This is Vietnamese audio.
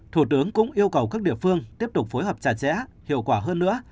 thủ tướng cũng yêu cầu các địa phương tiếp tục phối hợp trả trẻ hiệu quả hơn nữa